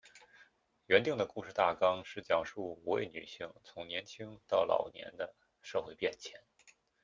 原定的故事大纲是讲述五位女性从年青到老年的社会变迁。